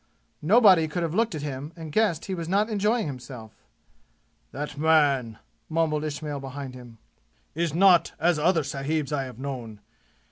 Nobody could have looked at him and guessed he was not enjoying himself. "That man," mumbled Ismail behind him, "is not as other sahibs I have known.